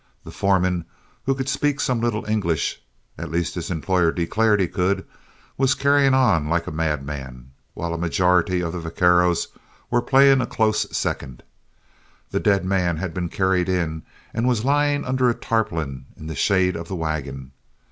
The foreman, who could speak some little English, at least his employer declared he could, was carrying on like a madman, while a majority of the vaqueros were playing a close second. The dead man had been carried in and was lying under a tarpaulin in the shade of the wagon.